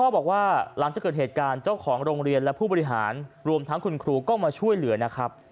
บอกว่าหลังจากเกิดเหตุการณ์เจ้าของโรงเรียนและผู้บริหารรวมทั้งคุณครูก็มาช่วยเหลือนะครับ